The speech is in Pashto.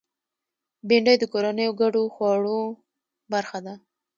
بېنډۍ د کورنیو ګډو خوړو برخه ده